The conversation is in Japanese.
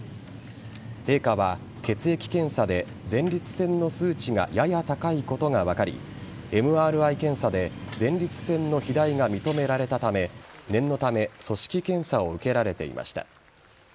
陛下は血液検査で前立腺の数値がやや高いことが分かりＭＲＩ検査で前立腺の肥大が認められたため念のため組織検査を受けられていました。